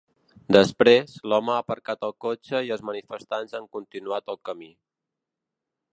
Després, l’home ha aparcat el cotxe i els manifestants han continuat el camí.